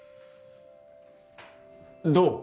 どう？